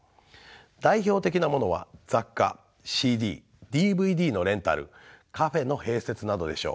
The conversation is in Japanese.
代表的なものは雑貨ＣＤＤＶＤのレンタルカフェの併設などでしょう。